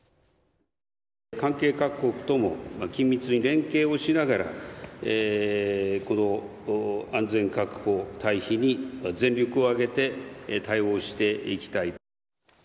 関係各国とも緊密に連携をしながら、この安全確保・退避に全力を挙げて対応していきたい。